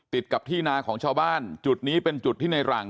ติดกับที่นาของชาวบ้านจุดนี้เป็นจุดที่ในหลัง